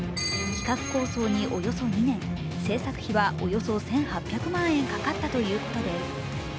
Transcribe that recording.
企画構想におよそ２年制作費はおよそ１８００万円かかったということです。